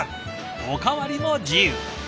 おかわりも自由！